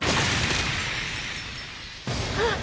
あっ！